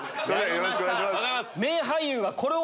よろしくお願いします。